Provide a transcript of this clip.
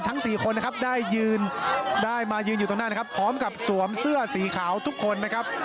สี่คนนะครับได้ยืนได้มายืนอยู่ตรงนั้นนะครับพร้อมกับสวมเสื้อสีขาวทุกคนนะครับ